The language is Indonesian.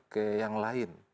ke yang lain